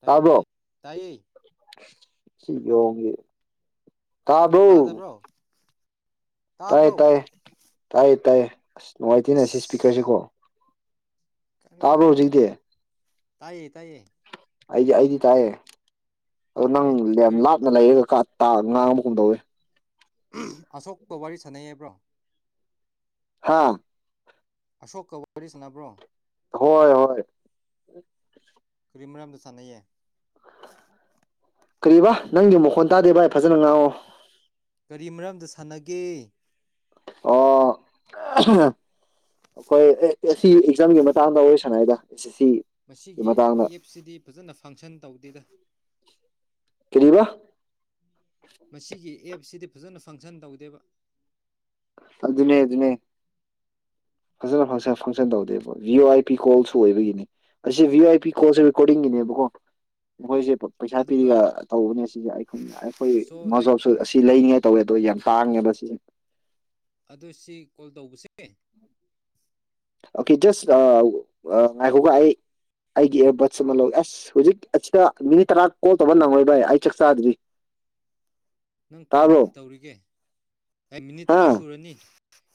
ꯇꯥꯏꯌꯦ ꯑꯗꯣ ꯇꯥꯏꯌꯦ ꯇꯥꯏꯌꯦ ꯁꯤꯦ ꯇꯥꯕ ꯇꯥꯗꯕ꯭ꯔꯣ ꯇꯥꯏ ꯇꯥꯕ꯭ꯔꯣ ꯇꯥꯏ ꯇꯥꯏ ꯇꯥꯏ ꯑꯁ ꯅꯨꯡꯉꯥꯏꯇꯦꯅꯦ ꯁꯤ ꯏꯁꯄꯤꯀꯔꯁꯤ ꯀꯣ ꯀꯔꯤꯅꯣꯍꯣꯏꯗꯤ ꯇꯥꯏꯌꯦ ꯇꯥꯏꯌꯦ ꯑꯩꯗꯤ ꯑꯗꯤ ꯀꯑꯌꯦ ꯑꯗꯨ ꯅꯪ ꯍꯣꯏ ꯀꯔꯤ ꯂꯥꯞꯅ ꯌꯦꯒ ꯀ ꯇ ꯉꯥꯡ ꯑꯃ ꯀꯨꯝ ꯇꯧꯏꯦ ꯑꯁꯣꯛꯄ ꯋꯥꯔꯤ ꯁꯥꯟꯅꯩꯑꯕ꯭ꯔꯣ ꯍꯥꯥ ꯑꯁꯣꯛꯀ ꯋꯥꯔꯤꯁꯤꯅꯕ꯭ꯔꯣ ꯍꯣꯏ ꯍꯣꯏ ꯀꯔꯤ ꯃꯔꯝꯗ ꯁꯥꯟꯅꯩꯌꯦ ꯀꯕꯥ ꯅꯪꯗꯤ ꯃꯈꯣꯟ ꯇꯥꯗꯦ ꯚ ꯑꯩ ꯐꯖꯅ ꯉꯥꯡꯑꯣ ꯀꯔꯤ ꯃꯔꯝꯗ ꯁꯥꯟꯅꯒꯦ ꯑꯣ ꯑꯩꯈꯣꯏ ꯁꯤ ꯑꯦꯛꯖꯥꯝꯒꯤ ꯃꯇꯥꯡꯗ ꯑꯣꯏꯔꯤꯁꯅꯏꯗ ꯑꯦꯁ ꯑꯦ ꯃꯁꯤꯒꯤ ꯑꯦꯞꯁꯤꯗꯤ ꯐꯖꯅ ꯐꯪꯁꯟ ꯇꯧꯗꯦꯗ ꯀꯔꯤꯕ ꯃꯁꯤꯒꯤ ꯑꯦꯞꯁꯤꯗ ꯐꯖꯅ ꯐꯪꯁꯟ ꯇꯧꯗꯦꯕ ꯑꯗꯨꯅꯦ ꯑꯗꯨꯅꯦ ꯐꯖꯅ ꯐꯁ ꯐꯪꯁꯟ ꯇꯧꯗꯦꯕ ꯚꯤꯌꯑꯣ ꯑꯥꯏ ꯄꯤ ꯀꯣꯜꯁꯨ ꯑꯣꯏꯕꯒꯤꯅꯦ ꯑꯁꯤ ꯚꯤꯌꯑꯣ ꯑꯥꯏ ꯄꯤ ꯀꯣꯜꯁ ꯔꯦꯀꯣꯔꯗꯤꯡꯒꯤꯅꯦꯕꯀꯣ ꯃꯈꯣꯏꯁꯦ ꯄꯩꯁꯥ ꯄꯤꯔꯤꯒ ꯑꯗꯨꯒ ꯇꯧꯕꯅꯦ ꯁꯤꯁꯦ ꯑꯩꯈꯣꯏ ꯑꯩꯈꯣꯏ ꯏ ꯁꯣ ꯂꯥꯏꯛ ꯃꯥꯖꯣꯞꯁꯨ ꯑꯁꯤ ꯂꯩꯅꯤꯉꯥꯏ ꯇꯧꯋꯦ ꯑꯗꯣ ꯌꯥꯝ ꯊꯥꯡꯉꯦꯁ ꯑꯣ ꯁꯤ ꯀꯣꯜ ꯇꯧꯕꯁꯦ ꯑꯣꯀꯦ ꯖꯁ ꯉꯥꯏꯈꯧꯒ ꯑꯩ ꯑꯩꯒꯤ ꯑꯦꯌꯥꯔꯕꯠꯁ ꯑꯃ ꯂꯧ ꯑꯁ ꯍꯧꯖꯤꯛ ꯑꯁꯤꯗ ꯃꯤꯅꯤꯠ ꯇꯔꯥ ꯀꯣꯜ ꯇꯧꯕ ꯅꯪꯉꯣꯏ ꯥꯏ ꯑꯩ ꯆꯥꯛ ꯆꯥꯗ꯭ꯔꯤ ꯅꯪ ꯀꯔꯤ ꯇꯥꯕ꯭ꯔꯣ ꯇꯧꯔꯤꯒꯦ ꯑꯩ ꯃꯤꯅꯤꯠ ꯍꯥ ꯇꯔꯥ ꯁꯨꯔꯅꯤ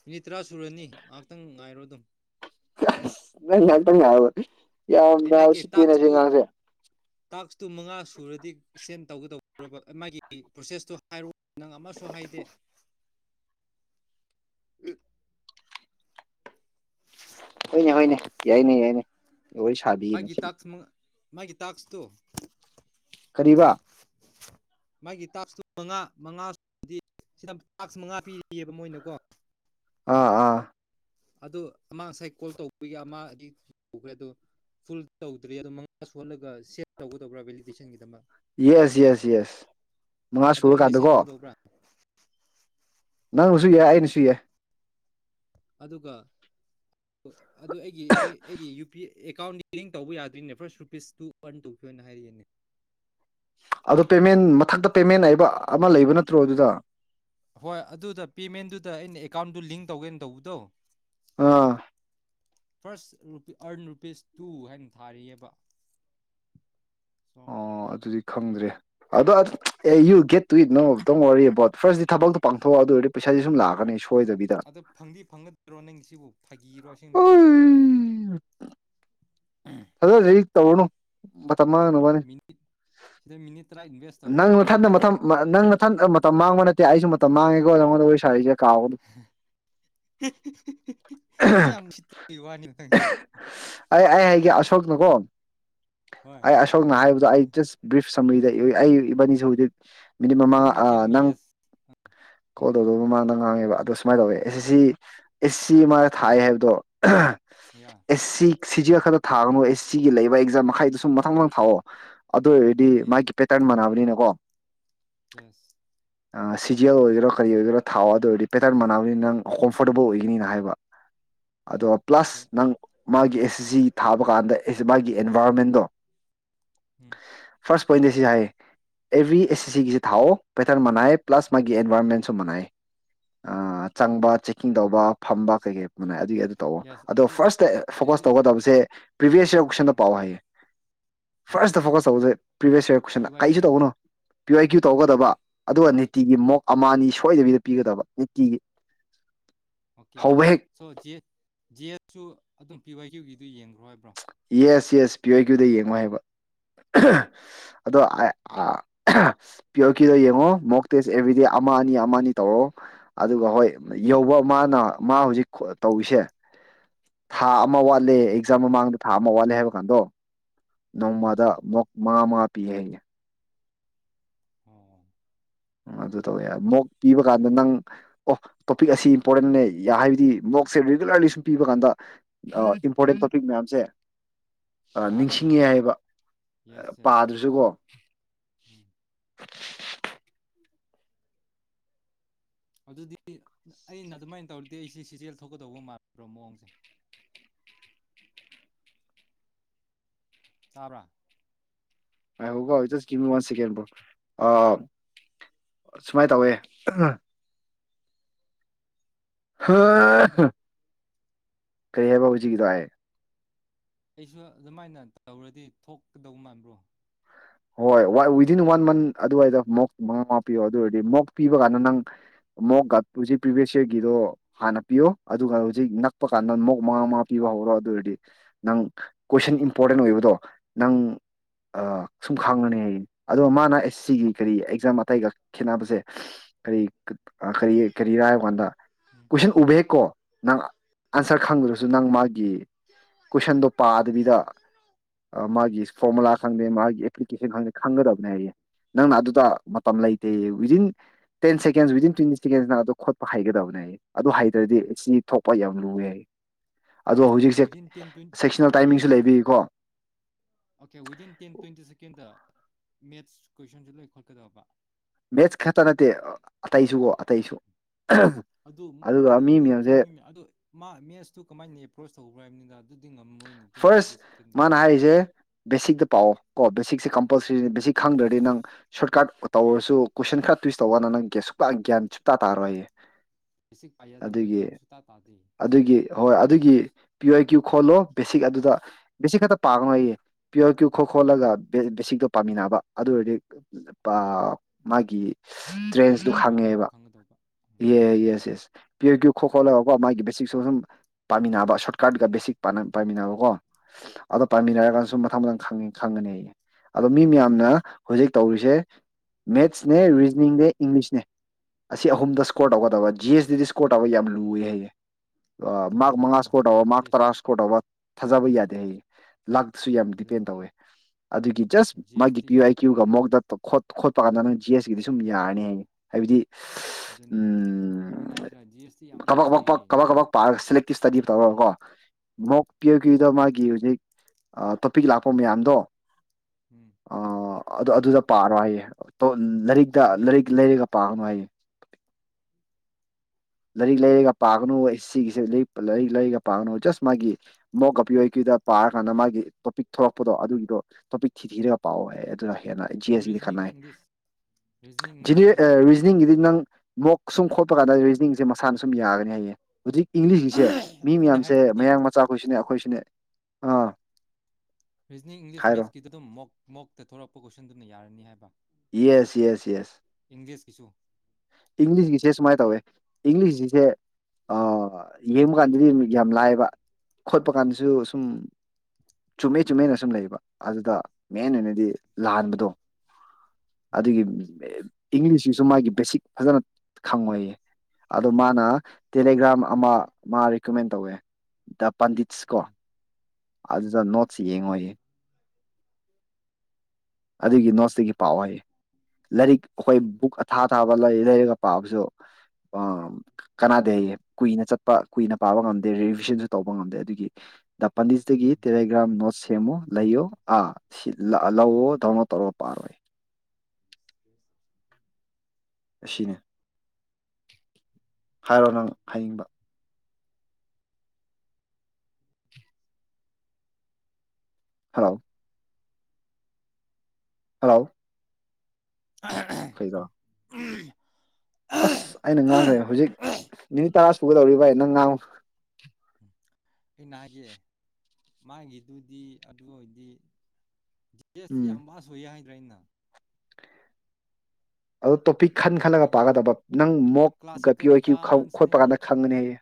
ꯃꯤꯅꯤꯠ ꯇꯔꯥ ꯁꯨꯔꯅꯤ ꯉꯥꯏꯍꯥꯛꯇꯪ ꯉꯥꯏꯔꯣ ꯑꯗꯨꯝ ꯅ ꯉꯇ ꯉ ꯌꯥꯝꯃꯦ ꯑꯩꯅ ꯍꯧ ꯍꯥꯏꯒꯦ ꯁꯤ ꯇꯤꯟꯅꯁꯤ ꯇꯥꯛꯁꯇꯨ ꯉꯥꯡꯁꯦ ꯇꯥꯛꯁꯇꯨ ꯃꯉꯥ ꯁꯨꯔꯗꯤ ꯁꯦꯟ ꯇꯧꯒꯗꯔꯕ ꯃꯥꯒꯤ ꯄ꯭ꯔꯣꯁꯦꯁꯇꯣ ꯍꯥꯏꯔ ꯅꯪ ꯑꯃꯁꯨ ꯍꯥꯏꯗꯦ ꯌꯦ ꯍꯣꯏꯅꯦ ꯍꯣꯏꯅꯦ ꯌꯥꯏꯅꯦ ꯌꯥꯏꯅꯦ ꯑꯣꯏꯔꯤ ꯁꯕꯤꯅꯦ ꯃꯥꯒꯤ ꯁꯤ ꯇꯥꯛꯁ ꯃꯥꯒꯤ ꯇꯥꯛꯁꯇꯣ ꯀꯕꯥ ꯃꯥꯒꯤ ꯇꯥꯛꯁꯇꯨ ꯃꯉꯥ ꯃꯉꯥ ꯁꯤꯗ ꯇꯥꯛꯁ ꯃꯉꯥ ꯄꯤꯔꯤꯑꯕ ꯃꯣꯏꯅꯀꯣ ꯑꯥ ꯑꯥ ꯑꯗ ꯑꯃ ꯉꯁꯥꯏ ꯀꯣꯜ ꯇꯧꯕꯒꯤ ꯑꯃ ꯇꯧꯈ꯭ꯔꯦ ꯑꯣ ꯐꯨꯜ ꯇꯧꯗ꯭ꯔꯤ ꯑ ꯃꯉꯥ ꯁꯣꯍꯜꯂꯒ ꯁꯦꯞ ꯇꯧꯒꯗꯧꯕ꯭ꯔꯥ ꯚꯦꯂꯤꯗꯦꯁꯟꯒꯤꯗꯃꯛ ꯌꯦꯁ ꯌꯦꯁ ꯌꯦꯁ ꯃꯉꯥ ꯁꯨꯔꯀꯥꯟꯗꯀꯣ ꯁꯠ ꯁꯠ [inaudible] ꯅꯪꯅꯁꯨ ꯌꯥꯏ ꯑꯩꯅꯁꯨ ꯌꯥꯏ ꯑꯗꯨꯒ ꯑꯗꯨ ꯑꯩꯒꯤ ꯑꯩꯒꯤ ꯌꯨ ꯄꯤ ꯑꯦꯀꯥꯎꯟꯒꯤ ꯂꯡ ꯇꯧꯕ ꯌꯥꯗ꯭ꯔꯤꯅꯦ ꯐꯥꯔꯁ ꯔꯨꯄꯤꯁꯇꯨ ꯑꯔꯟ ꯇꯧꯈꯤꯕꯣꯅ ꯍꯥꯏꯔꯛꯑꯦꯅꯦ ꯑꯗꯨ ꯄꯦꯃꯦꯟ ꯃꯊꯛꯇ ꯄꯦꯃꯦꯟ ꯍꯥꯏꯕ ꯑꯃ ꯂꯩꯕ ꯅꯠꯇ꯭ꯔꯣ ꯑꯗꯨꯗ ꯍꯣꯏ ꯑꯗꯨꯗ ꯄꯦꯃꯦꯟꯗꯨꯗ ꯑꯩꯅ ꯑꯦꯀꯥꯎꯟꯗꯨ ꯂꯤꯡ ꯇꯧꯒꯦꯅ ꯇꯧꯕꯗꯣ ꯑꯥ ꯐꯥꯔꯁ ꯑꯔꯟ ꯔꯨꯄꯤꯁ ꯇꯨ ꯍꯥꯏꯅ ꯊꯥꯔꯤꯑꯕ ꯁ ꯑꯣ ꯑꯗꯨꯗꯤ ꯈꯪꯗ꯭ꯔꯦ ꯑꯗꯣ ꯑꯦ ꯌꯨ ꯒꯦꯠ ꯇꯨ ꯏꯠ ꯅꯪꯇꯪ ꯋꯥꯔꯤ ꯑꯦꯕꯥꯎꯠ ꯐꯥꯔꯁꯤ ꯊꯕꯛꯇꯣ ꯄꯥꯡꯊꯣꯛꯑꯣ ꯑꯗꯨ ꯑꯣꯏꯔꯗꯤ ꯄꯩꯁꯥꯗꯤ ꯁꯨꯝ ꯂꯑꯀꯅꯤ ꯁ ꯑꯗꯣ ꯐꯪꯗꯤ ꯐꯪꯒꯗ꯭ꯔꯣ ꯅꯪ ꯁꯤꯕꯨ ꯐꯥꯒꯤꯔꯣꯁꯦꯡꯕꯤꯔꯣ ꯐꯗꯣ ꯇꯧꯅ ꯃꯤꯅꯤꯠ ꯁꯤꯗ ꯃꯤꯅꯤꯠ ꯇꯔꯥ ꯏꯟꯚꯦꯁ ꯇꯧꯔꯒ ꯅꯪꯅ ꯊꯟꯗ ꯃꯇꯝ ꯅꯪꯅ ꯊꯟꯗ ꯃꯇꯝ ꯃꯥꯡꯕꯅ ꯇꯦ ꯑꯩꯁꯨ ꯃꯇꯝ ꯃꯥꯡꯉꯦꯣ ꯑꯣꯥꯉꯣꯟꯗ ꯑꯣꯏꯣꯏ ꯁꯥꯔꯤꯁꯦ ꯀꯥꯎꯒꯅꯨ ꯃꯤ ꯌꯥꯝ ꯨ ꯁꯤꯠꯇ ꯋꯥꯅꯤ ꯃꯇꯥꯡꯁꯦ ꯑꯁꯣꯛ ꯅꯀꯣ ꯑ ꯑꯁ ꯍꯥꯏꯁꯐ ꯁꯤꯗ ꯑꯩꯕꯅꯤꯁꯤꯗ ꯃꯤꯅꯤꯠ ꯇꯦꯜꯃꯤ ꯃꯃꯥꯡ ꯇꯦꯜꯃꯤ ꯅꯪ ꯌꯦꯁ ꯀꯣꯜ ꯎꯝ ꯇꯧꯗꯧꯕ ꯃꯃꯥꯡ ꯅꯪ ꯉꯥꯡꯉꯦꯕ ꯑꯗꯣ ꯁꯨꯃꯥꯏꯅ ꯇꯧꯋꯦ ꯑꯦꯁ ꯁꯤ ꯑꯦꯁ ꯁꯤ ꯃꯥꯅ ꯊꯥꯛꯑ ꯍꯥꯏꯕꯗꯣ ꯌꯥ ꯑꯦꯁꯤ ꯁꯤꯁꯤꯒ ꯈꯛꯇ ꯊꯥꯒꯅꯨ ꯑꯦꯁ ꯁꯤꯒꯤ ꯂꯩꯕ ꯑꯦꯛꯖꯥꯝ ꯃꯈꯥꯏꯗꯨꯣ ꯁꯨꯝ ꯃꯊꯪ ꯃꯊꯪ ꯊꯥꯛꯑꯣ ꯑꯗꯨꯗ ꯏꯗꯤ ꯑꯣꯀꯦ ꯃꯥꯒꯤ ꯇꯟ ꯃꯥꯟꯅꯕꯅꯤꯅ ꯀꯣ ꯌꯦꯁ ꯁꯤꯖꯦꯜ ꯑꯣꯏꯒꯦꯔꯥ ꯀꯔꯤ ꯑꯣꯏꯒꯦꯔꯥ ꯊꯥꯋꯥꯗ ꯑꯣꯏꯔꯗꯤ ꯄꯦꯇꯔꯟ ꯃꯅꯥꯕꯅꯤ ꯅꯪ ꯀꯣꯝꯐꯣꯔꯇꯦꯕꯜ ꯑꯣꯏꯒꯅꯤꯅ ꯍꯥꯏꯕ ꯑꯗꯣ ꯄ꯭ꯂꯁ ꯑꯣꯀꯦ ꯅꯪ ꯃꯥꯒꯤ ꯑꯦꯁ ꯖꯤ ꯊꯥꯕ ꯀꯥꯟꯗ ꯃꯥꯒꯤ ꯑꯦꯟꯚꯥꯏꯔꯣꯟꯃꯦꯟꯗꯣ ꯎꯝ ꯐꯁꯣꯁ ꯁꯤꯁꯦ ꯍꯥꯏꯌꯦ ꯑꯦꯚ꯭ꯔꯤ ꯑꯦꯁ ꯑꯦ ꯁꯤꯒꯤꯁꯦ ꯊꯥꯛꯑꯣ ꯕꯦꯇꯔꯟ ꯃꯅꯥꯌꯦ ꯄ꯭ꯂꯁ ꯃꯥꯒꯤ ꯑꯦꯟꯚꯥꯏꯔꯣꯟꯃꯦꯟꯁꯨ ꯃꯥꯟꯅꯥꯩ ꯎꯝ ꯆꯪꯕ ꯆꯦꯛꯀꯤꯡ ꯇꯧꯕ ꯐꯝꯕ ꯀꯩꯀꯩ ꯃ ꯑꯗꯨꯒꯤ ꯇꯧ ꯌꯦꯁ ꯑꯗꯣ ꯑꯗꯨ ꯐꯥꯔꯁꯇ ꯕꯠ ꯗꯦꯠ ꯐꯣꯀꯁ ꯏ ꯇꯧꯒꯗꯕꯁꯦ ꯄ꯭ꯔꯤꯚꯤꯌꯁ ꯏꯔ ꯀꯨꯣꯏꯁꯟꯗ ꯎꯝ ꯄꯥꯎ ꯍꯥꯏꯌꯦ ꯑꯣꯀꯦ ꯐꯥꯔꯁꯇ ꯐꯣꯀꯁ ꯇꯧꯕꯁꯦ ꯄ꯭ꯔꯤꯚꯤꯌꯁ ꯄꯤ ꯏꯌꯥꯔ ꯋꯥꯏ ꯀꯩꯁꯨ ꯀ꯭ꯌꯨ ꯇꯧꯕꯅꯨ ꯄꯤꯨ ꯀ꯭ꯌꯨ ꯎꯝ ꯇꯧꯒꯗꯕ ꯑꯗꯨꯒ ꯅꯤꯇꯤꯒꯤ ꯃꯣꯛ ꯑꯃ ꯁꯣꯏꯗꯕꯤꯗ ꯄꯤꯒꯗꯕ ꯅꯤꯇꯤꯒꯤ ꯑꯣꯀꯦ ꯍꯧꯕ ꯍꯦꯛ ꯁꯣꯖꯤ ꯖꯤ ꯑꯦꯁꯁꯨ ꯑꯗꯨꯝ ꯄꯤꯏ ꯀ꯭ꯌꯒꯤꯗꯨ ꯌꯦꯡ꯭ꯔꯣ ꯍꯥꯏꯕ꯭ꯔꯣ ꯌꯦꯁ ꯌꯦꯁ ꯄꯤꯌꯣꯔ ꯀ꯭ꯌꯨꯗ ꯌꯦꯡꯉꯣ ꯍꯥꯏꯕ ꯑꯗꯣ ꯎꯝ ꯄꯤꯌꯣꯔ ꯀ꯭ꯌꯨꯗ ꯌꯦꯡꯉꯣ ꯃꯣꯛ ꯇꯦꯁ ꯑꯦꯕ꯭ꯔꯤꯗꯦ ꯑꯃ ꯑꯅꯤ ꯑꯃ ꯑꯅꯤ ꯇꯧꯔꯣ ꯑꯗꯨꯒ ꯍꯣꯏ ꯌꯧꯕ ꯃꯥꯅ ꯃꯥ ꯍꯧꯖꯤꯛ ꯇꯧꯔꯤꯁꯦ ꯎꯝ ꯍꯥꯥ ꯑꯃ ꯋꯥꯠꯂꯦ ꯑꯦꯛꯖꯥꯝ ꯃꯥꯥꯡ ꯊꯥ ꯑꯃ ꯋꯥꯠꯂꯦ ꯍꯥꯏꯕ ꯀꯥꯟꯗꯣ ꯅꯣꯡꯃꯗ ꯑꯃꯛ ꯃꯉꯥ ꯃꯉꯥ ꯄꯤꯌꯦ ꯍꯌꯦꯌꯦꯦ ꯑꯣ ꯑꯗꯨ ꯇꯧꯋꯦ ꯃꯣꯛ ꯄꯤꯕ ꯀꯥꯟꯗ ꯅꯪ ꯑꯣ ꯇꯣꯄꯤꯛ ꯑꯁꯤ ꯏꯝꯄꯣꯔꯇꯦꯟꯅꯦ ꯍꯥꯏꯕꯗꯤ ꯃꯣꯛꯁꯦ ꯔꯤꯒꯨꯂꯔꯂꯤ ꯁꯨꯝ ꯄꯤꯕ ꯀꯥꯟꯗ ꯏꯝꯄꯣꯔꯇꯦꯟ ꯇꯣꯄꯤꯛ ꯃꯌꯥꯝꯁꯦ ꯚꯍꯥꯔ ꯅꯤꯡꯁꯤꯡꯉꯦ ꯇꯧꯔꯅꯦꯕ ꯍꯥꯏꯕ ꯌꯦꯁ ꯌꯦꯁ ꯄꯥꯗ꯭ꯔꯁꯨꯀꯣ ꯎꯝ ꯑꯗꯨꯗꯤ ꯑꯩꯅ ꯑꯗꯨꯃꯥꯏꯅ ꯇꯧꯔꯗꯤ ꯑꯩꯁꯦ ꯁꯤꯆꯦꯜ ꯊꯣꯛꯀꯗꯧꯕ ꯃꯥꯥꯟꯕ꯭ꯔꯣ ꯃꯑꯣꯡꯁꯦ ꯇꯥꯕ꯭ꯔꯥ ꯍꯥꯏ ꯍꯣ ꯖꯁꯃꯤ ꯋꯥꯟ ꯁꯦꯀꯦꯟ ꯐꯣ ꯑ ꯁꯨꯃꯥꯏ ꯇꯧꯋꯦ ꯀꯔꯤ ꯍꯥꯏꯕꯥꯎꯖꯤ ꯀꯗꯣꯑ ꯑꯩꯁꯨ ꯑꯗꯨꯃꯥꯏꯅ ꯇꯧꯔꯗꯤ ꯊꯣꯛꯀꯗꯧꯕ ꯃꯥꯟꯕ꯭ꯔꯣ ꯍꯣꯏ ꯋꯤꯗꯤꯟ ꯋꯥꯟ ꯃꯟ ꯑꯗꯨꯋꯥꯏꯗꯣ ꯃꯣꯛ ꯃꯉꯥ ꯃꯉꯥ ꯄꯤꯌꯣ ꯑꯗꯨ ꯑꯣꯏꯔꯗꯤ ꯃꯣꯛ ꯄꯤꯕ ꯀꯥꯟꯗ ꯅꯪ ꯃꯣꯛꯀ ꯍꯧꯖꯤꯛ ꯄ꯭ꯔꯤꯚꯤꯁ ꯌꯌꯥꯔꯒꯤꯗꯣ ꯍꯥꯟꯅ ꯄꯤꯌꯣ ꯑꯗꯨꯒ ꯍꯧꯖꯤꯛ ꯅꯛꯄ ꯀꯥꯟꯗ ꯃꯣꯛ ꯃꯉꯥ ꯃꯉꯥ ꯄꯤꯕ ꯍꯧꯔꯣ ꯑꯗꯨ ꯑꯣꯏꯔꯗꯤ ꯅꯪ ꯀꯣꯏꯁꯟ ꯏꯝꯄꯣꯔꯇꯦꯟ ꯑꯣꯏꯕꯗꯣ ꯅꯪ ꯁꯨꯝ ꯈꯥꯡꯅꯅꯤ ꯍꯥꯏꯅꯤ ꯑꯗꯨꯒꯣ ꯃꯥꯅ ꯑꯦꯁ ꯁꯤꯒꯤ ꯀꯔꯤ ꯑꯦꯛꯖꯥꯝ ꯑꯇꯩꯒ ꯈꯦꯠꯅꯕꯁꯦ ꯀꯔꯤ ꯀꯔꯤ ꯀꯔꯤꯔꯥ ꯍꯥꯏꯕ ꯀꯥꯟꯗ ꯎꯝ ꯀꯣꯏꯏꯁꯟ ꯎꯕ ꯍꯦꯛꯀꯣ ꯅꯪ ꯑꯟꯁꯔ ꯈꯪꯗ꯭ꯔꯁꯨ ꯅꯪ ꯃꯥꯒꯤ ꯀꯣꯏꯁꯟꯗꯣ ꯄꯥꯗꯕꯤꯗ ꯃꯥꯒꯤ ꯎꯝ ꯐꯣꯔꯃꯨꯂꯥ ꯈꯪꯗꯦ ꯃꯥꯒꯤ ꯈꯪꯒꯗꯕꯅꯦ ꯑꯩꯌꯦ ꯅꯪꯅ ꯑꯗꯨꯗ ꯃꯇꯝ ꯂꯩꯇꯦ within ten second within twenty seconds ꯑꯗꯨ ꯈꯣꯠꯄ ꯍꯩꯒꯗꯕꯅꯦ ꯑꯩ ꯑꯗꯨ ꯍꯩꯗ꯭ꯔꯗꯤ ꯁꯤ ꯊꯣꯛꯄ ꯌꯥꯝ ꯂꯨꯑꯦ ꯋ ꯇꯋ ꯂꯩꯕꯤꯀꯣ ꯇꯋ ꯇꯦꯟ ꯇ꯭ꯋꯦꯟꯇꯤ ꯁꯦꯀ ꯃꯦꯠꯁ ꯀꯣꯏꯁꯟꯁꯨ ꯂꯣꯏ ꯈꯣꯠꯀꯗꯧꯕ ꯃꯦꯆ ꯈꯦꯇ ꯅ ꯑꯇꯁ ꯑꯇꯏꯁꯨ ꯑꯗꯨ ꯑꯗꯨꯗꯤ ꯈꯪꯉꯤꯅꯤ ꯑꯗꯨ ꯃꯥ ꯃꯦꯠꯁꯇꯨ ꯀꯃꯥꯏꯅ ꯑꯦꯄ꯭ꯔꯣꯁ ꯇꯧꯕ ꯅꯤ ꯐꯥꯔꯁ ꯃꯥꯅ ꯍꯥꯏꯔꯤꯁꯦ ꯕꯦꯁꯤꯛꯇ ꯄꯥꯎꯑꯣ ꯀꯣ ꯦꯁꯛꯁꯤ ꯀꯝꯄꯜꯁꯔꯤꯦꯁ ꯈꯪꯗ꯭ꯔꯗꯤ ꯅꯪ ꯁꯣꯔꯠꯀꯥꯠ ꯇꯧꯔꯁꯨ ꯀꯣꯏꯁꯟ ꯈꯔ ꯇꯨꯋꯁ ꯇꯧꯕꯥꯟꯅ ꯅꯪ ꯁꯨꯛꯇꯇꯥ ꯒ꯭ꯌꯥꯟ ꯁꯨꯇꯥ ꯇꯥꯔꯣꯏꯌꯦ ꯄꯁꯤꯛ ꯄꯥꯏ ꯑꯗꯨꯕꯨ ꯑꯩ ꯑꯗꯨꯒꯤ ꯒ꯭ꯌꯥꯟ ꯁꯨ ꯇ ꯇꯥꯗꯦ ꯑꯗꯨꯒꯤ ꯍꯣꯏ ꯑꯗꯨꯒꯤ ꯄꯤꯌꯣꯔ ꯀ꯭ꯌꯨ ꯈꯣꯜꯂꯣ ꯕꯦꯁꯤꯛ ꯑꯗꯨꯗ ꯕꯦꯁꯤꯛ ꯈꯛꯇ ꯄꯥꯉꯌꯦ ꯄꯤꯌꯣꯔ ꯀ꯭ꯌꯨ ꯈ ꯈꯣꯜꯂꯒ ꯕꯦꯁꯤꯛꯇꯣ ꯄꯥꯝꯃꯤꯟꯅꯕ ꯑꯗꯨ ꯑꯣꯏꯔꯗꯤ ꯃꯥꯒꯤ ꯇ꯭ꯔꯦꯟꯁꯇꯣ ꯀꯣꯏꯁꯟ ꯄꯦꯇꯔꯟꯗꯨ ꯈꯪꯉꯦꯕ ꯈꯪꯒꯗꯧꯕ ꯎꯝ ꯌꯦ ꯌꯦꯁ ꯌꯦꯁ ꯄꯨ ꯀꯌꯨ ꯁꯨꯈꯂ ꯍ ꯃꯥꯒꯤ ꯕꯦꯁꯤꯛ ꯑꯗꯨꯝ ꯄꯥꯃꯤꯟꯅꯕ ꯁꯣꯔꯠ ꯀꯠ ꯕꯦꯁꯤꯛ ꯄꯥꯏꯃꯤꯟꯅꯕ ꯀꯣ ꯑꯗꯣ ꯄꯥꯏꯃꯤꯟꯅꯔꯀꯥꯟꯁꯨ ꯃꯊꯪ ꯃꯊꯪꯪꯉ ꯈꯪꯒꯅꯤ ꯍꯥꯏꯌꯦ ꯑꯗꯣ ꯃꯤ ꯃꯌꯥꯝꯅ ꯍꯧꯖꯤꯛ ꯇꯧꯔꯤꯁꯦ ꯃꯦꯠꯁꯅꯦ ꯔꯤꯖꯅꯤꯡꯅꯦ ꯏꯪꯂꯤꯁꯅꯦ ꯑꯁꯤ ꯑꯍꯨꯝꯗ ꯏꯁꯀꯣꯔ ꯇꯧꯒꯗꯕ ꯖꯤ ꯑꯦꯁ ꯗꯤ ꯏꯁꯀꯣꯔ ꯇꯧꯕ ꯌꯥꯝ ꯂꯨꯏ ꯍꯥꯏꯌꯦ ꯑꯦ ꯃꯥꯔ ꯑꯗꯨꯅꯤ ꯃꯉꯥ ꯑꯩꯅ ꯁ꯭ꯀꯣꯔꯠ ꯍꯥꯏꯗ꯭ꯔꯥ ꯇꯧꯕ ꯃꯥꯔꯛ ꯖꯦꯁ ꯇꯔꯥ ꯁꯀꯣꯔꯠꯧꯕ ꯊꯥꯖꯕ ꯌꯥꯗꯦ ꯑꯩ ꯂꯥꯛꯇꯁꯨ ꯌꯥꯝ ꯗꯤꯄꯦꯟ ꯑꯗꯨꯅꯤ ꯇꯧꯋꯦ ꯑꯗꯨꯒꯤ ꯖꯁ ꯃꯥꯒꯤ ꯖꯦꯁꯇꯤ ꯄꯤꯌꯨ ꯑꯥꯏ ꯀ꯭ꯌꯨꯒ ꯃꯨꯗ ꯈꯣꯠꯄ ꯀꯥꯟꯗ ꯅꯪ ꯖꯤ ꯑꯦꯁ ꯀꯗꯤ ꯁꯨꯝ ꯌꯥꯔꯅꯤ ꯍꯥꯏꯌꯦ ꯍꯥꯏꯕꯗꯤ ꯑꯗꯨꯅꯤ ꯎꯝ ꯑꯩꯅ ꯍꯥꯏꯗ꯭ꯔꯥ ꯖꯤ ꯑꯦꯁ ꯇꯤ ꯌꯥꯝ ꯋꯥ ꯁ ꯑꯣꯏꯌꯦ ꯀꯕꯥ ꯀꯕꯥꯛ ꯄꯔꯁꯦ ꯏꯁꯇꯥꯗꯤ ꯏꯧꯔꯒꯀꫭ ꯃꫭꯛ ꯄꯤꯌ꯭ꯔꯒꯤꯗ ꯃꯥꯒꯤ ꯍꯧꯖꯤꯛ ꯇꯣꯄꯤꯛ ꯂꯥꯛꯄ ꯃꯌꯥꯝꯗꯣ ꯎꯝ ꯑꯥ ꯑꯗꯨ ꯑꯗꯨꯗ ꯄꯥꯔꯣ ꯍꯥꯏꯌꯦ ꯎꯝ ꯂꯥꯏꯔꯤꯛꯇ ꯑꯗꯨꯅꯤ ꯂꯥꯏꯔꯤꯛ ꯂꯩꯔꯒ ꯄꯥꯒꯅꯨ ꯌꯥꯏꯌꯦ ꯂꯥꯏꯔꯤꯛ ꯂꯩꯔꯒ ꯄꯥꯒꯅꯨ ꯁꯤꯒꯤꯖꯦ ꯂꯥꯏꯔꯤꯛ ꯂꯩꯔꯒ ꯄꯥꯒꯅꯨ ꯖꯁ ꯃꯥꯒꯤ ꯃꯣꯛ ꯑꯃꯤꯌ꯭ꯔꯒꯤꯗ ꯄꯥꯔꯀꯥꯟꯗ ꯃꯥꯒꯤ ꯇꯣꯄꯤꯛ ꯊꫭꯂꯛꯄꯗꯣ ꯑꯗꯨꯒꯤꯗꯣ ꯇꯣꯄꯤꯛ ꯊꯤꯊꯤꯔꯒ ꯄꯥꯎ ꯍꯥꯏꯌꯦ ꯑꯗꯨꯅ [unintelligible] ꯖꯤ ꯑꯗꯨ ꯑꯦꯁ ꯀꯤꯗꯤ ꯔꯤꯖꯅꯤꯡ ꯈꯅꯩ ꯏꯪꯂꯤꯁ ꯔꯤꯖꯅꯤꯡ ꯖꯤ ꯏꯪꯂꯤꯁ ꯃꯦꯠꯁꯀꯤ ꯔꯤꯖꯅꯤꯡꯒꯤꯗꯤ ꯅꯪ ꯃꯣꯛꯁꯨꯝ ꯈꯣꯠꯄ ꯀꯥꯟꯗꯥ ꯁꯦ ꯃꯁꯥꯅ ꯁꯨꯝ ꯌꯥꯒꯅꯤ ꯍꯥꯏꯌꯦ ꯍꯧꯖꯤꯛ ꯏꯪꯂꯤꯁꯀꯤꯁꯦ ꯃꯤ ꯑꯩꯅ ꯃꯌꯥꯝꯁꯦ ꯍꯥꯏꯕꯗꯤ ꯃꯌꯥꯡi ꯃꯆꯥꯈꯣꯏꯁꯨꯅꯦ ꯑꯩꯈꯣꯏ [unintelligible] ꯑꯥ ꯔꯤꯖꯅꯤꯡ ꯏꯪꯂꯤꯁ ꯍꯥꯏꯔꯣ ꯃꯦꯠꯁꯀꯤꯗ ꯑꯗꯨꯝ ꯃꯣꯛ ꯃꯣꯛꯇ ꯊꫭꯂꯛꯄ ꯀꯣꯏꯁꯟꯗꯨꯅ ꯌꯥꯔꯅꯤ ꯍꯥꯏꯕ ꯌꯦꯁ ꯌꯦꯁ ꯌꯦꯁ ꯏꯪꯂꯤꯁꯀꯤꯁꯨ ꯏꯪꯂꯤꯁꯀꯤꯁꯦ ꯁꯨꯃꯥꯏꯅ ꯇꯧꯋꯦ ꯏꯪꯂꯤꯁꯀꯤꯁꯦ ꯑ ꯌꯦꯡꯕ ꯀꯥꯟꯗꯗꯤ ꯌꯥꯝ ꯂꯥꯏꯕ ꯈꯣꯠꯄ ꯀꯥꯟꯗꯁꯨ ꯁꯨꯝ ꯆꯨꯝꯃꯦ ꯆꯨꯝꯃꯦꯅ ꯁꯨꯝ ꯂꯩꯕ ꯑꯗꯨꯗ ꯃꯦꯟ ꯑꯣꯏꯅꯗꯤ ꯂꯥꯟꯕꯗꯣ ꯎꯝ ꯑꯗꯨꯒꯤ [unintelligible] ꯏꯪꯂꯤꯁꯀꯤꯁꯨꯨ ꯃꯥꯒꯤ ꯕꯦꯁꯤꯛ ꯐꯖꯅ ꯈꯪꯉꯣꯌꯦ ꯑꯗꯣ ꯃꯥꯅ ꯇꯦꯂꯦꯒ꯭ꯔꯥꯝ ꯑꯃ ꯃꯥ ꯔꯤꯀꯃꯦꯟ ꯇꯧꯋꯦ ꯗ ꯄꯟꯗꯤꯠꯁ ꯀꯣ ꯎꯝ ꯎꯝ ꯑꯗꯨꯗ ꯅꯣꯠꯁ ꯌꯦꯡꯉꯣꯏꯌꯦ ꯑꯗꯨꯒꯤ ꯅꯣꯠꯁꯇꯒꯤ ꯄꯥꯑꯣ ꯍꯥꯏꯌꯦ ꯂꯥꯏꯔꯤꯛ ꯑꯩꯈꯣꯏ ꯕꯨꯛ ꯑꯊꯥ ꯑꯊꯥꯕ ꯂꯥꯏꯔꯤꯛ ꯂꯩꯔꯒ ꯄꯥꯕꯁꯨ ꯀꯅꯥꯗ ꯍꯌꯦ ꯀꯨꯏꯅ ꯆꯠꯄ ꯀꯨꯏꯅ ꯄꯥꯕ ꯉꯝꯗꯦ ꯔꯤꯚꯤꯖꯟꯁꯨ ꯇꯧꯕ ꯉꯝꯗꯦ ꯑꯗꯨꯒꯤ ꯗ ꯄꯟꯗꯤꯁꯇꯒꯤ ꯎꯝ ꯇꯦꯂꯦꯒ꯭ꯔꯥꯝ ꯅꯣꯠ ꯁꯦꯝꯃꫭ ꯂꯩꯌꫭ ꯑ ꯁꯤ ꯑ ꯂꯧꯋꫭ ꯗꯥꯎꯂꫭꯠ ꯇꯧꯔꯥ ꯄꯥꯔꯣ [unintelligible] ꯑꯁꯤꯅꯦ ꯍꯥꯏꯔꯣ ꯅꯪ ꯍꯅꯤꯡꯕ ꯍꯜꯂꯣ ꯍꯜꯂꯣ [unintelligible] ꯈꯩꯔ [unintelligible] ꯑꯁ ꯑꯩꯅ ꯉꯥꯡꯈ꯭ꯔꯦ ꯍꯧꯖꯤꯛ ꯅꯤꯌꯨ ꯇꯥꯀꯁ ꯄꯨꯨꯒꯗꯧꯔꯤꯕ ꯚꯥꯏ ꯅꯪ ꯉꯥꯡꯉꫭ ꯑꯩꯅ ꯍꯥꯏꯒꯦ ꯃꯥꯒꯤꯗꯨꯗꯤ ꯑꯗꯨ ꯑꯣꯏꯗꯤ ꯖꯤ ꯄꯤ ꯑꯦꯁ ꯁꯦ ꯌꯝ ꯎꯝ ꯕꯥꯁ ꯇ꯭ꯔꯦꯅꯥ ꯑꯗꫭ ꯇꯣꯄꯤꯛ ꯈꯟ ꯈꯜꯂꯒ ꯃꯥꯒꯤ ꯄꯥꯒꯗꯕ ꯅꯪ ꯃꯣꯛꯀ ꯄꯤ ꯀ꯭ꯂꯥꯁꯤꯀꯦꯜ ꯋꯥꯏ ꯀꯤꯌꯨ ꯈꯣꯠꯄ ꯀꯥꯟꯗ ꯗꯥꯟꯁꯅꯦ ꯈꯪꯒꯅꯤ ꯍꯥꯏꯌꯦ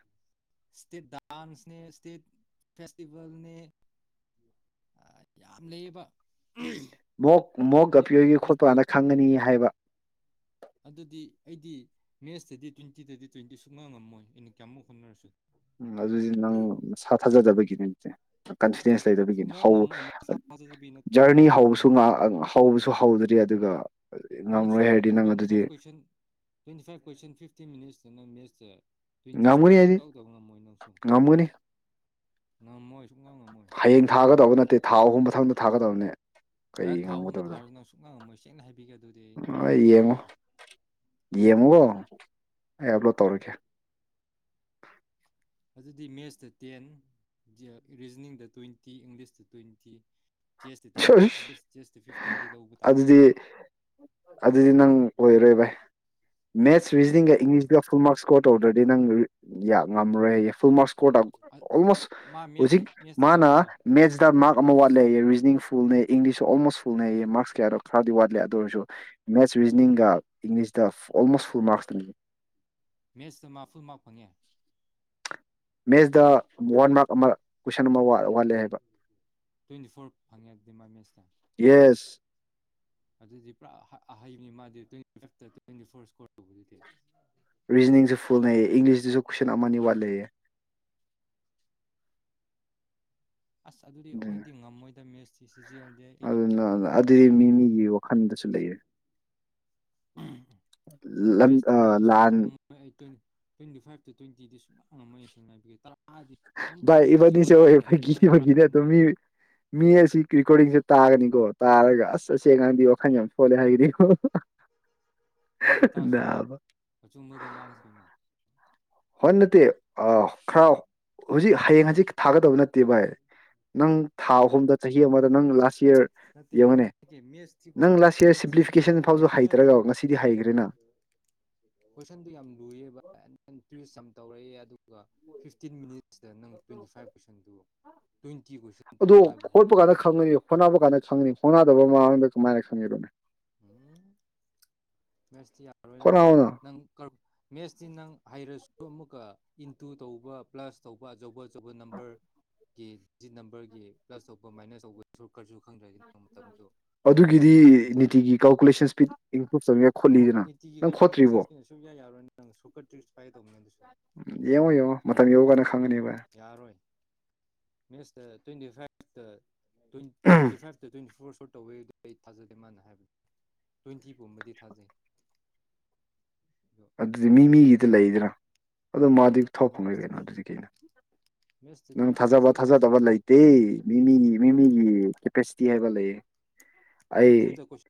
ꯏꯁꯇꯦꯠ ꯗꯥꯟꯁꯅꯦ ꯏꯁꯇꯦꯠ ꯐꯦꯁꯇꯤꯚꯦꯜꯅꯦ ꯑ ꯌꯥꯝ ꯂꯩꯌꯦꯕ ꯃꯣꯛ ꯃꯣꯛ ꯑꯄꯤꯌ꯭ꯔꯒꯤ ꯈꯣꯠꯄ ꯀꯥꯟꯗ ꯈꯪꯒꯅꯤ ꯍꯥꯏꯕ ꯑꯗꯨꯗꯤ ꯑꯩꯗꯤ ꯃꯦꯁꯇꯗꯤ ꯇ꯭ꯋꯦꯟꯇꯤꯗꯗꯤ ꯇ꯭ꯋꯦꯟꯇꯤ ꯁꯨꯛꯉ ꯉꯝꯃꯣꯏ ꯑꯩꯅ ꯀꯌꯥꯃꯨꯛ ꯍꯣꯠꯅꯔꯁꯤ ꯎꯝ ꯑꯗꯨꯗꯤ ꯅꯪ ꯅꯁꯥ ꯊꯥꯖꯗꯕꯒꯤꯅꯦꯦꯀꯟ ꯁꯨꯡꯉꯝ ꯉꯝꯃꯣꯏ ꯅꯁꯥ ꯊꯥꯖꯗꯕꯤ ꯅꯠꯇꯅ ꯖꯔꯅꯤ ꯅꯪꯁꯨ ꯍꯧꯕ ꯉꯝꯃꯣꯏ ꯍꯧꯕꯁꯨ ꯍꯧꯗꯅ ꯗ ꯑꯗꯨꯒ ꯅꯪꯁꯨ ꯉꯝꯔꯣꯏ ꯍꯥꯏꯔꯗꯤ ꯅꯪ ꯇ꯭ꯋꯦꯟꯇꯤ ꯑꯗꯨꯗꯤ five question twenty five question fifty minutes ꯅ ꯃꯦꯁ ꯉꯝꯒꯨꯅꯤ ꯍꯥꯏꯗꯤ ꯉꯝꯒꯅꯤ ꯉꯝꯃꯣꯏ ꯁꯨꯛꯉꯝ ꯉꯝꯃꯣꯏ ꯍꯌꯦꯡ ꯊꯥꯒꯗꯧꯕ ꯅꯠꯇꯦ ꯊꯥ ꯑꯍꯨꯝ ꯃꯊꯕ ꯊꯥꯒꯗꯕꯅꯤ ꯍ ꯊꯥꯍꯨꯝꯗ ꯊꯥꯔꯁꯨ ꯅꯪ ꯁꯨꯛꯪꯉꯝꯃꯣꯏ ꯁꯦꯡꯅ ꯍꯥꯏꯕꯤꯒꯗ ꯑ ꯏꯃ ꯏꯃꯒꯣ ꯑꯩ ꯑꯞꯂꯣꯗ ꯇꯧꯔꯒꯦ ꯑꯗꯨꯗꯤ ꯃꯦꯠꯁꯇ ꯇꯦꯟ ꯔꯤꯖꯅꯤꯡꯗ ꯇ꯭ꯋꯦꯟꯇꯤ ꯏꯪꯂꯤꯁꯇ ꯇ꯭ꯋꯦꯟꯇꯤ ꯆꯦꯁꯇꯨ ꯇꯦꯟ ꯑꯦꯠꯂꯤꯁ ꯆꯦꯁꯇꯨ ꯐꯤꯐꯇꯤꯟꯗꯤ ꯂꯧꯕ ꯇꯥꯕ ꯑꯗꯨꯗꯤ ꯑꯗꯨꯗꯤ ꯅꯪ ꯑꯣꯏꯔꯣꯏ ꯚꯥꯏ ꯃꯦꯠꯁ ꯔꯤꯖꯅꯤꯡꯒ ꯏꯪꯂꯤꯁꯀ ꯐꯨꯜ ꯃꯥꯔꯛꯁ ꯏꯁꯀꯣꯔ ꯇꯧꯗ꯭ꯔꯗꯤ ꯅꯪ ꯉꯝꯃꯔꯣꯏ ꯍꯥꯏꯌꯦ ꯐꯨꯜ ꯃꯥꯔꯛꯁ ꯑꯣꯜꯃꯣꯁ ꯃꯥ ꯃꯦꯠꯁꯇ ꯍꯧꯖꯤꯛ ꯃꯦꯠꯁꯇ ꯀꯌꯥ ꯃꯥꯅ ꯇꯧꯋꯦ ꯃꯦꯠꯁꯇ ꯃꯥꯔꯛ ꯑꯃ ꯋꯥꯠꯂꯦ ꯔꯤꯖꯅꯤꯡ ꯐꯨꯜꯅꯦ ꯏꯪꯂꯤꯁꯁꯨ ꯑꯣꯜꯃꯣꯁ ꯐꯨꯜꯅꯦꯩꯌꯦ ꯃꯥꯔꯛꯁ ꯀꯌꯥꯗꯣ ꯈꯔꯗꯤ ꯋꯥꯠꯂꯦ ꯑꯗꯨ ꯑꯣꯏꯔꯁꯨ ꯃꯦꯠꯁ ꯔꯤꯖꯅꯤꯡꯒ ꯏꯪꯂꯤꯁꯇ ꯑꯣꯜꯃꯣꯁ ꯐꯨꯜ ꯃꯥꯔꯛꯁꯇꯅꯦ ꯃꯦꯠꯁꯇ ꯃꯥ ꯐꯨꯜ ꯃꯥꯔꯛ ꯐꯪꯉꯦ ꯃꯦꯠꯁꯇ ꯋꯥꯟ ꯃꯥꯔꯛ ꯑꯃ ꯀꯣꯏꯁꯟ ꯑꯃ ꯋꯥꯠꯂꯦ ꯍꯥꯏꯕ ꯇ꯭ꯋꯦꯟꯇꯤ ꯐꯣꯔ ꯐꯪꯉꯦꯛꯇꯗꯤ ꯃꯥꯏ ꯃꯦꯁꯇ ꯌꯦꯁ ꯑꯗꯨꯗꯤ ꯄꯨꯔꯥ ꯍꯩꯕꯅꯤ ꯃꯥꯗꯤ ꯇ꯭ꯋꯦꯟꯇꯤ ꯐꯤꯇ ꯇ꯭ꯋꯦꯟꯇꯤ ꯐꯣꯔ ꯏꯁꯀꯣꯔ ꯇꯧꯕꯗꯨꯗꯤ ꯔꯤꯖꯅꯤꯡꯁꯨ ꯂꯩꯦ ꯑꯁ ꯑꯗꯨꯗꯤ ꯑꯗꯨꯅ ꯑꯩꯈꯣꯏꯗꯤ ꯉꯝꯃꯣꯏꯗꯕ ꯃꯦꯁꯇ ꯑꯗꯨꯅ ꯑꯗꯨꯗꯤ ꯃꯤ ꯃꯤꯒꯤ ꯋꯥꯈꯜꯗꯁꯨ ꯂꯩꯌꯦ ꯃꯦꯠꯁꯇꯗꯤ ꯑꯩ ꯁꯨꯡꯂꯥꯡ ꯂꯥꯟ ꯉꯝꯃꯣꯏ ꯑꯩ ꯇꯣꯏꯅꯤ ꯇ꯭ꯋꯦꯟꯇꯤ ꯐꯥꯏꯚ ꯇ꯭ꯦꯟꯇꯤꯗꯤ ꯁꯨꯥꯏꯅ ꯑꯪꯝꯕꯅꯤ ꯁ ꯉꯥꯏꯕꯤꯒꯦ ꯇꯔꯥꯗꯤ ꯚꯥꯏ ꯅꯝꯐꯨꯆꯤ ꯏꯕꯥꯅꯤꯁꯦ ꯍꯣꯏ ꯋꯥꯆꯤꯟꯗ ꯐꯥꯒꯤ ꯅꯪ ꯇꯔꯥꯗꯤ ꯐꯥꯒꯤꯅꯦ ꯑꯗꯨꯝ ꯉꯝꯅꯤ ꯃꯤ ꯃꯤ ꯑꯁꯤ ꯔꯦꯀꯣꯔꯗꯤꯡꯁꯦ ꯇꯥꯒꯅꯤꯀꯣ ꯇꯥꯔꯒ ꯑꯁ ꯑꯁꯦꯡꯉꯗꯤ ꯋꯥꯈꯜ ꯌꯥꯝ ꯁꯣꯜꯂꯦ ꯍꯥꯏꯒꯅꯤꯀꯣ ꯇꯥꯒꯦ ꯇꯥꯁꯤꯅꯨ ꯅꯥꯕ ꯑꯆꯨꯝꯕꯗꯣ ꯉꯥꯡꯁꯤ ꯀꯩꯅꯣ ꯍ ꯅꯠꯇ ꯑ ꯈꯥꯎ ꯍꯧꯖꯤꯛ ꯍꯌꯦꯡ ꯍꯧꯖꯤꯛ ꯊꯥꯒꯗꯕ ꯅꯠꯇꯦ ꯚꯥꯏ ꯅꯪ ꯊꯥ ꯑꯍꯨꯝꯗ ꯆꯍꯤ ꯑꯃꯗ ꯅꯪ ꯂꯥꯁ ꯌꯔ ꯅꯠꯇꯦ ꯑꯩꯅ ꯌꯦꯡꯉꯨꯅꯦ ꯍꯥꯏꯒꯦ ꯃꯦꯠꯁꯇꯤꯀꯣ ꯅꯪ ꯂꯥꯁ ꯌꯔ ꯃꯦꯠꯁꯇꯤ ꯁꯨꯡꯉꯥꯡ ꯁꯤꯝꯄ꯭ꯂꯤꯐꯤꯀꯦꯁꯟ ꯉꯝꯃꯣꯏ ꯐꯥꯎꯁꯨ ꯍꯩꯇ꯭ꯔꯒ ꯀꯣꯏꯁꯟꯗꯨ ꯉꯁꯤꯗꯤ ꯍꯩꯈ꯭ꯔꯦꯅ ꯀꯣꯏꯁꯟꯗꯨ ꯌꯥꯝ ꯂꯨꯏꯌꯦꯕ ꯇꯧꯔꯛꯑꯦ ꯑꯗꯨꯒ ꯐꯤꯐꯇꯤꯟ ꯃꯤꯅꯤꯠ ꯁꯤꯗ ꯅꯪ ꯇ꯭ꯋꯦꯟꯇꯤ ꯐꯥꯏꯚ ꯀꯣꯏꯁꯟꯗꯨ ꯇ꯭ꯋꯦꯟꯇꯤ ꯀꯣꯏꯁꯟ ꯇꯧ ꯍꯥꯏꯕ ꯐꯥꯎꯁꯨ ꯉꯝꯃꯣꯏꯕ ꯁꯪꯅꯤ ꯈꯣꯡꯅꯗꯕ ꯃꯃꯥꯡꯗ ꯀꯃꯥꯏꯅ ꯁꯪꯉꯕꯣꯅꯦ ꯎꯝ ꯃꯦꯁꯇꯤ ꯌꯥꯔꯣꯏ ꯅꯪ ꯍꯣꯠꯅꯧꯅ ꯅꯪ ꯀꯔꯞ ꯃꯦꯁꯇꯤ ꯅꯪ ꯍꯩꯔꯁꯨ ꯑꯗꯨ ꯑꯃꯨꯛꯀ ꯏꯟꯇꯨ ꯇꯧꯕ ꯄ꯭ꯂꯁ ꯇꯧꯕ ꯑꯆꯧꯕ ꯑꯆꯧꯕ ꯅꯝꯕꯔꯒꯤ ꯗꯤꯖꯤꯠ ꯅꯝꯕꯔꯒꯤ ꯄ꯭ꯂꯁ ꯇꯧꯕ ꯃꯥꯏꯅꯁ ꯇꯧꯕꯒꯤ ꯀꯔꯤꯁꯨ ꯈꯪꯗ꯭ꯔꯒꯤꯅꯪ ꯃꯇꯝꯗꯣ ꯁꯨꯡ ꯑꯗꯨꯒꯤꯗꯤ ꯉꯝ ꯉꯝꯃꯣꯏꯕ ꯅꯤꯇꯤꯒꯤ ꯀꯥꯜꯀꯨꯂꯦꯁꯟ ꯏꯁꯄꯤꯠ ꯏꯟꯀ꯭ꯔꯨꯕ ꯇꯧꯅꯤꯡꯉꯥꯏ ꯅꯣꯠ ꯈꯣꯠꯂꯤꯌꯦꯅ ꯅꯤꯇꯤꯒꯤ ꯅꯪ ꯈꯣꯠꯇ꯭ꯔꯤꯕꯣ ꯀꯜꯀꯨꯂꯦꯁꯟꯁꯤꯅ ꯁꯨꯡꯌꯥ ꯌꯥꯔꯣꯏ ꯅꯪ ꯁꯣꯔꯠꯀꯠ ꯇ꯭ꯔꯤꯛꯁ ꯇ꯭ꯔꯥꯏ ꯇꯧꯕꯅꯦ ꯑꯗꯨꯁꯨ ꯌꯦꯡꯉꯣ ꯌꯦꯡꯉꯣ ꯃꯇꯝ ꯌꯧꯉꯀꯥꯟꯗ ꯈꯪꯒꯅꯤ ꯌꯥꯔꯣꯏ ꯃꯤꯅꯤꯏꯇ ꯇ꯭ꯋꯦꯟꯇꯤ ꯐꯥꯏꯑ ꯇ ꯇꯨꯋꯦꯟꯇꯤ ꯐꯥꯏꯚ ꯇꯨ ꯇꯨꯋꯦꯟꯇꯤ ꯐꫭꯔꯁ [unintelligible] ꯊꯥꯖꯗꯦ ꯃꯥꯅ ꯍꯥꯏꯕꯗꫭ ꯇ꯭ꯋꯦꯟꯇꯤ ꯒꯨꯝꯕꯗꯤ ꯊꯥꯖꯩ ꯑꯗꯣ ꯑꯗꯨꯗꯤ ꯃꯤ ꯃꯤꯒꯤꯗꯤ ꯂꯩꯗꯅꯥ ꯑꯗꯣ ꯃꯥ ꯊꯥꯎ ꯐꯪꯉꯌꫭꯏ ꯃꯦꯠꯁꯇ ꯀꯩꯅꯣ ꯑꯗꯨꯗꯤ ꯀꯩꯅ ꯃꯦꯠꯁꯇꯗꯤ ꯅꯪ ꯊꯥꯖꯕ ꯎꯆꯤ ꯊꯥꯖꯗꯕ ꯋꯥꯆꯤꯟꯅ ꯂꯩꯇꯦ ꯃꯤꯃꯤꯒꯤ ꯃꯤꯃꯤꯒꯤ ꯀꯦꯄꯦꯁꯤꯇꯤ ꯍꯥꯏꯕ ꯂꯩꯌꯦ ꯑꯩ ꯅꯜꯐꯨꯗꯀꫭꯏ